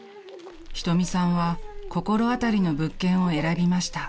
［瞳さんは心当たりの物件を選びました］